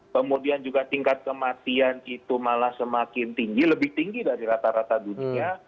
kemudian juga tingkat kematian itu malah semakin tinggi lebih tinggi dari rata rata dunia